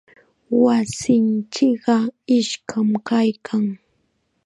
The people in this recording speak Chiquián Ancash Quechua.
Wasinchikqa iskam kaykan.